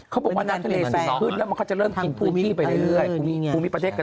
เค้าบอกว่าทะหริงหนีเซน